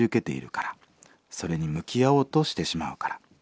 それに向き合おうとしてしまうから。